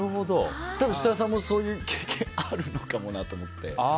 多分、設楽さんもそういう経験あるかなって。